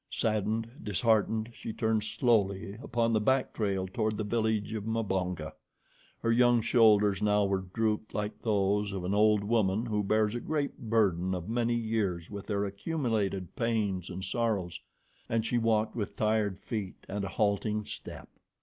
Saddened, disheartened, she turned slowly upon the back trail toward the village of Mbonga. Her young shoulders now were drooped like those of an old woman who bears a great burden of many years with their accumulated pains and sorrows, and she walked with tired feet and a halting step.